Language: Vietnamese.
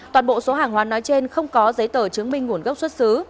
toàn bộ số hàng hóa nói trên không có giấy tờ chứng minh nguồn gốc xuất xứ